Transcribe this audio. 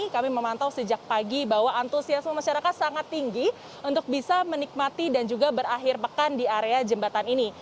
kami memantau sejak pagi bahwa antusiasme masyarakat sangat tinggi untuk bisa menikmati dan juga berakhir pekan di area jembatan ini